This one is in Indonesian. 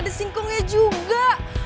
ada singkongnya juga